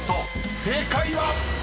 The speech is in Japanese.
［正解は⁉］